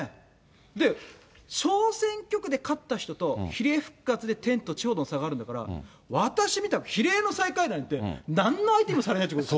で、小選挙区で勝った人と、比例復活で天と地ほどの差があるんだから、私みたく、比例の最下位なんて、なんの相手もされないっちゅうこと。